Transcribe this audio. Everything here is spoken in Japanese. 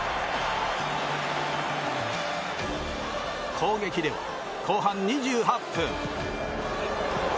攻撃では、後半２８分。